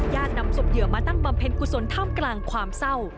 นำศพเหยื่อมาตั้งบำเพ็ญกุศลท่ามกลางความเศร้า